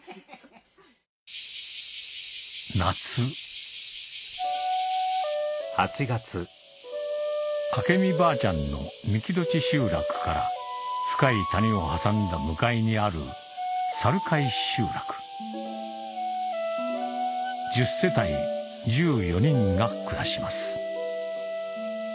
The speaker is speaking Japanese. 夏明美ばあちゃんの三木枋集落から深い谷を挟んだ向かいにある猿飼集落１０世帯１４人が暮らします